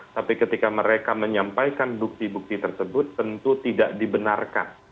tapi ketika mereka menyampaikan bukti bukti tersebut tentu tidak dibenarkan